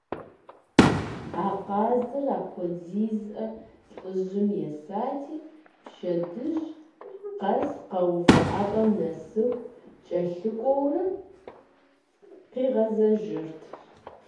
А къазыр апхуэдизӏэ лӏыжьым есати, пщэдджыжь къэс къэувыӏэпӏэм нэсыху кӏэлъыкӏуэурэ къигъэзэжырт.